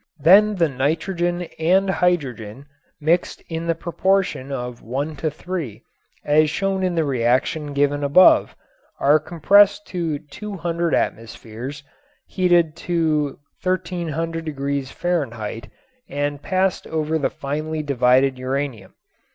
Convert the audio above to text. Then the nitrogen and hydrogen, mixed in the proportion of one to three, as shown in the reaction given above, are compressed to two hundred atmospheres, heated to 1300° F. and passed over the finely divided uranium.